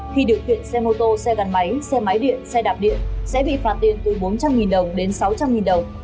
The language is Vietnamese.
khi điều khiển xe mô tô xe gắn máy xe máy điện xe đạp điện sẽ bị phạt tiền từ bốn trăm linh đồng đến sáu trăm linh đồng